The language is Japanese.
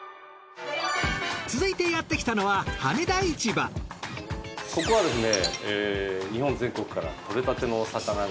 続いてやってきたのはここはですね。